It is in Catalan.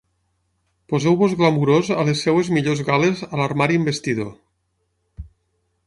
Poseu-vos glamurós a les seves millors gales a l'armari amb vestidor.